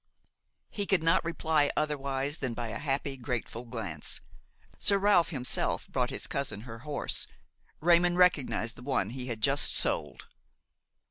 He could not reply otherwise than by a happy, grateful glance. Sir Ralph himself brought his cousin her horse; Raymon recognized the one he had just sold.